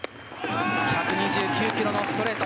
１２９キロのストレート。